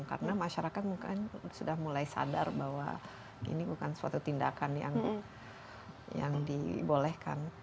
karena masyarakat mungkin sudah mulai sadar bahwa ini bukan suatu tindakan yang dibolehkan